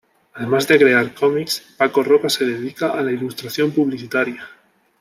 Además de crear cómics, Paco Roca se dedica a la ilustración publicitaria.